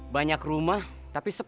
banyak rumah tapi sepi